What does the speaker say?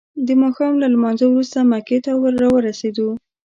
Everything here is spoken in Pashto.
د ماښام له لمانځه وروسته مکې ته راورسیدو.